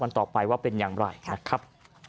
ต่อไปว่าเป็นอย่างไรนะครับ